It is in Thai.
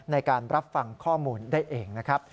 ในการรับฟังข้อมูลได้เองนะครับ